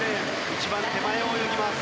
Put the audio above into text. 一番手前を泳ぎます。